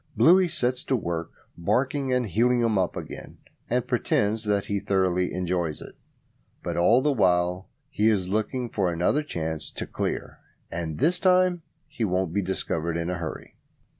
Bluey sets to work barking and heeling 'em up again, and pretends that he thoroughly enjoys it; but all the while he is looking out for another chance to "clear". And this time he won't be discovered in a hurry.